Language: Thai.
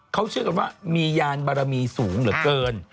เขาเชื่อกันว่ามียานบารมีสูงเหลือเกิน